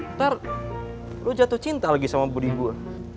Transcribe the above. ntar lu jatuh cinta lagi sama budi gue